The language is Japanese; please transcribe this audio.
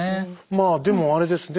まあでもあれですね